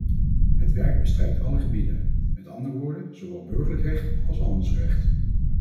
Het werk bestrijkt alle gebieden, met andere woorden zowel burgerlijk recht als handelsrecht.